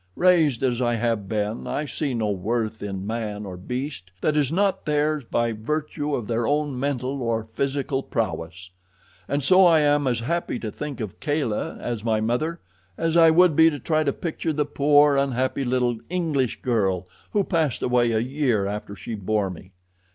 "Raised as I have been, I see no worth in man or beast that is not theirs by virtue of their own mental or physical prowess. And so I am as happy to think of Kala as my mother as I would be to try to picture the poor, unhappy little English girl who passed away a year after she bore me.